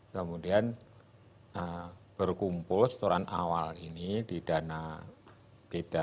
kemudian berkumpul setoran awal ini di dana beda